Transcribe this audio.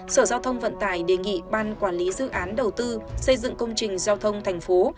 sở giao thông vận tải đề nghị ban quản lý dự án đầu tư xây dựng công trình giao thông thành phố